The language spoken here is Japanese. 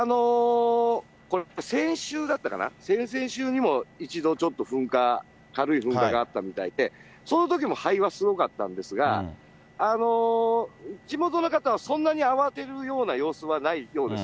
先週だったかな、先々週にも一度ちょっと噴火、軽い噴火があったみたいで、そのときも灰はすごかったんですが、地元の方はそんなに慌てるような様子はないようです。